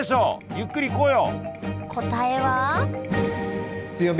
ゆっくりいこうよ。